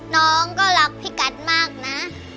น้องก็รักพี่กัดมากนะ